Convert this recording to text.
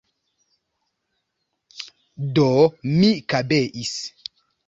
Do, mi kabeis.